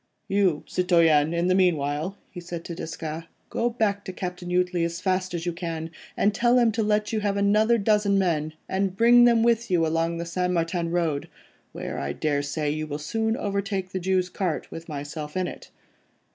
"You, citoyen, in the meanwhile," he said to Desgas, "go back to Captain Jutley as fast as you can, and tell him to let you have another dozen men, and bring them with you along the St. Martin Road, where I daresay you will soon overtake the Jew's cart with myself in it.